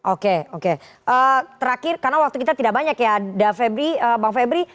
oke oke terakhir karena waktu kita tidak banyak ya bang febri